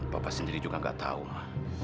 papa sendiri juga gak tau ma